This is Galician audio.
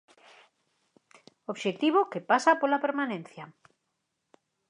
Obxectivo que pasa pola permanencia.